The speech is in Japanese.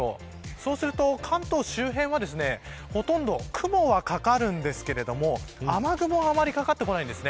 そうすると関東周辺はほとんど、雲はかかるんですけど雨雲はあまりかかってこないです。